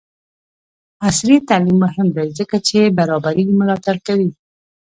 عصري تعلیم مهم دی ځکه چې برابري ملاتړ کوي.